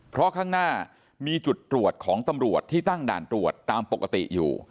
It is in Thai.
เพราะข้างหน้ามีจุดตรวจของตำรวจที่ตั้งด่านตรวจตามปกติอยู่